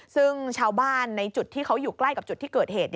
ซึ่งชาวบ้านในจุดที่เขาอยู่ใกล้กับจุดที่เกิดเหตุ